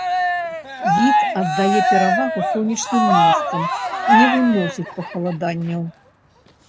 Від аддае перавагу сонечным месцам, не выносіць пахаладанняў.